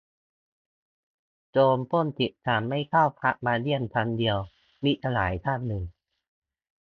"โจรปล้นสิบครั้ง ไม่เท่าพระมาเยี่ยมครั้งเดียว" - มิตรสหายท่านหนึ่ง